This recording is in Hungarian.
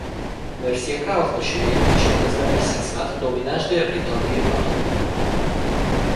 Mercia káoszba süllyedt és eközben Wessex vált a domináns dél-britanniai hatalommá.